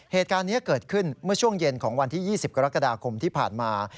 เหตุการณ์นี้เกิดขึ้นเมื่อช่วงเย็นของวันที่๒๐กรกฎาคมที่ผ่านมา